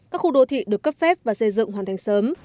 các khu đô thị được cấp phép và xây dựng hoàn thành sớm